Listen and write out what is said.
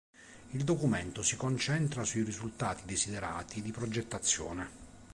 Il documento si concentra sui risultati desiderati di progettazione.